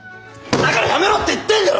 だからやめろって言ってんだろ！